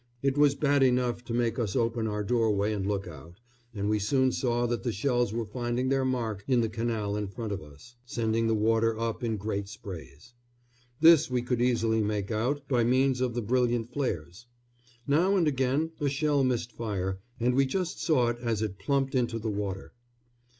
It was bad enough to make us open our doorway and look out, and we soon saw that the shells were finding their mark in the canal in front of us, sending the water up in great sprays. This we could easily make out by means of the brilliant flares. Now and again a shell missed fire, and we just saw it as it plumped into the water.